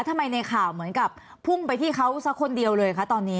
ในข่าวเหมือนกับพุ่งไปที่เขาสักคนเดียวเลยคะตอนนี้